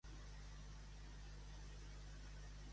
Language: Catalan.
A què es dedicava Picanins i Aleix alhora?